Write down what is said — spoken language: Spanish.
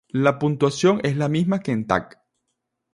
La puntuación es la misma que en Tag.